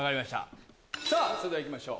それでは行きましょう。